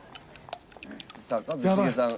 さあ一茂さん。